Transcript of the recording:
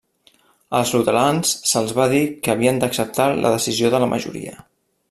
Als luterans se'ls va dir que havien d'acceptar la decisió de la majoria.